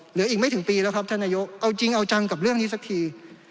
เหลืออีกไม่ถึงปีแล้วครับท่านนายกเอาจริงเอาจังกับเรื่องนี้สักที